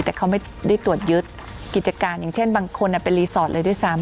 แต่เขาไม่ได้ตรวจยึดกิจการอย่างเช่นบางคนเป็นรีสอร์ทเลยด้วยซ้ำ